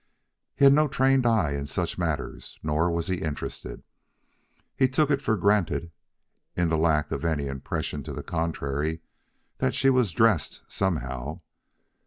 He had no trained eye in such matters, nor was he interested. He took it for granted, in the lack of any impression to the contrary, that she was dressed some how.